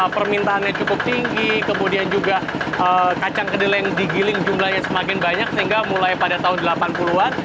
permintaannya cukup tinggi kemudian juga kacang kedelai yang digiling jumlahnya semakin banyak sehingga mulai pada tahun delapan puluh an